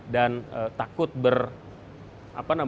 dan takut berapa namanya